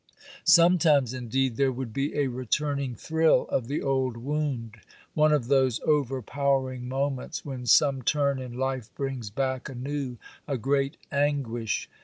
Sometimes, indeed, there would be a returning thrill of the old wound, one of those overpowering moments when some turn in life brings back anew a great anguish.